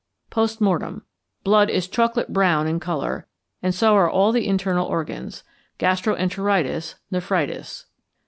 Post Mortem. Blood is chocolate brown in colour, and so are all the internal organs; gastro enteritis; nephritis.